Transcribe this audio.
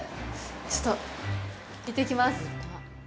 ちょっと行ってきます。